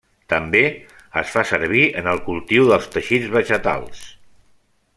També es fa servir en el cultiu dels teixits vegetals.